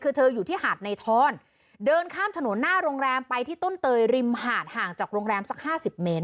คือเธออยู่ที่หาดในทอนเดินข้ามถนนหน้าโรงแรมไปที่ต้นเตยริมหาดห่างจากโรงแรมสักห้าสิบเมตร